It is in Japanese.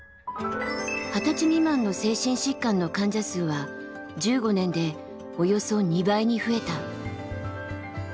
２０歳未満の精神疾患の患者数は１５年でおよそ２倍に増えた。